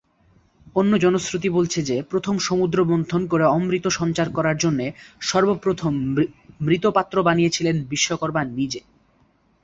অন্য জনশ্রুতি বলছে যে, প্রথম সমুদ্র মন্থন করে অমৃত সঞ্চার করার জন্যে সর্বপ্রথম মৃৎপাত্র বানিয়েছিলেন বিশ্বকর্মা নিজে।